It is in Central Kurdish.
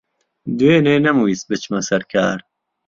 دوێنێ نەمویست بچمە سەر کار.